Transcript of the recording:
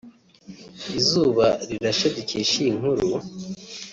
Izuba Rirashe dukesha iyi nkuru